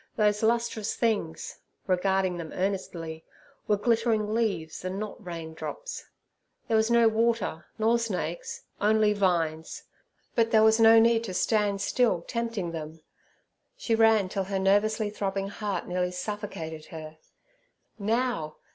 Those lustrous things (regarding them earnestly) were glittering leaves and not rain drops. There was no water, nor snakes, only vines; but there was no need to stand still tempting them. She ran till her nervously throbbing heart nearly suffocated her. Now!